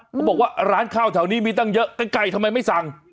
เขาบอกว่าร้านข้าวแถวนี้มีตั้งเยอะใกล้ทำไมไม่สั่ง